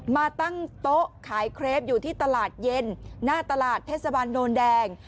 มาตั้งโต๊ะขายเครปอยู่ที่ตลาดเย็นหน้าตลาดเทศบาลโนนแดง